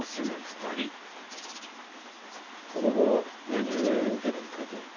この棒何故「うてな」と書いてある？